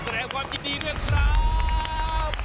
อันแรกความที่ดีด้วยครับ